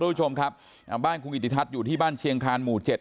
ทุกผู้ชมครับอ่าบ้านคุณอิติทัศน์อยู่ที่บ้านเชียงคานหมู่เจ็ด